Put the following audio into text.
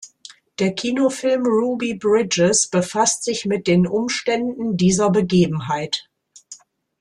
Der Kinofilm "Ruby Bridges" befasst sich mit den Umständen dieser Begebenheit.